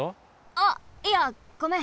あっいやごめん。